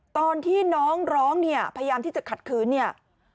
ตอนที่น้องร้องเนี่ยพยายามที่จะขัดคืนเนี่ย